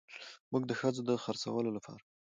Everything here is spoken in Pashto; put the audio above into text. موږ د ښځو د خرڅولو لپاره